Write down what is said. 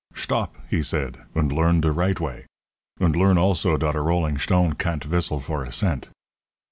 "Shtop," he said, "und learn der right way. Und learn also dot a rolling shtone can't vistle for a cent."